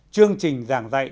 chương trình giảng dạy